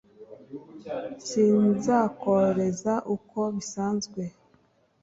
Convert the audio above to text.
Sinza kworeza ukwo bisanzwe